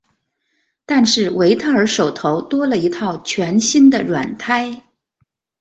但是维特尔手头多了一套全新的软胎。